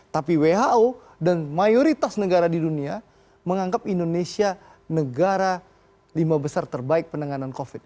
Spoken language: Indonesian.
tapi who dan mayoritas negara di dunia menganggap indonesia negara lima besar terbaik penanganan covid